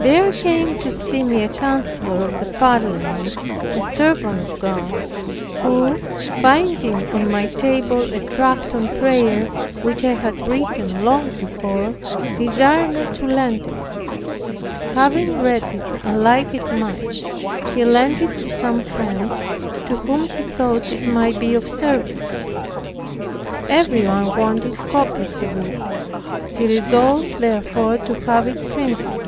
There came to see me a counselor of the parliament, a servant of God, who finding on my table a tract on prayer, which I had written long before, desired me to lend it. Having read it and liked it much, he lent it to some friends, to whom he thought it might be of service. Everyone wanted copies of it. He resolved therefore to have it printed.